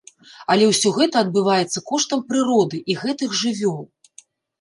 Але ўсё гэта адбываецца коштам прыроды і гэтых жывёл.